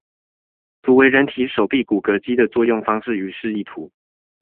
圖為人體手臂骨骼肌的作用方式示意圖